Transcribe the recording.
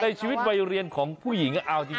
ในชีวิตวัยเรียนของผู้หญิงเอาจริง